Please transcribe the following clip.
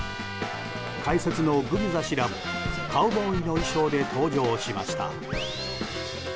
解説のグビザ氏がカウボーイの衣装で登場しました。